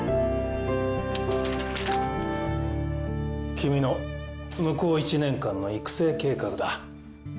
君の向こう一年間の育成計画だ。